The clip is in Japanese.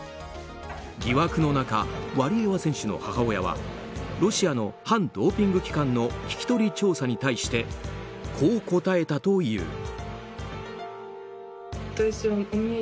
疑惑の中、ワリエワ選手の母親はロシアの反ドーピング機関の聞き取り調査に対してこう答えたという。